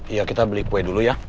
iya kita beli kue dulu ya